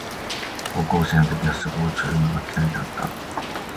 高校生の時はスポーツをするのが嫌いだった